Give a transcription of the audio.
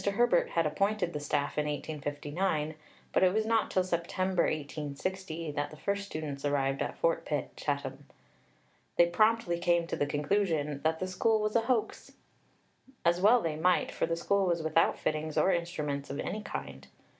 Herbert had appointed the staff in 1859, but it was not till September 1860 that the first students arrived at Fort Pitt, Chatham. They promptly came to the conclusion "that the School was a hoax." As well they might, for the School was without fittings or instruments of any kind!